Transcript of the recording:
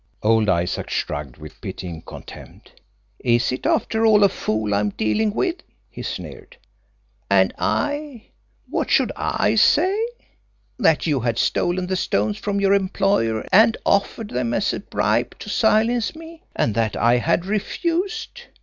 Old Isaac shrugged with pitying contempt. "Is it, after all, a fool I am dealing with!" he sneered. "And I what should I say? That you had stolen the stones from your employer and offered them as a bribe to silence me, and that I had refused.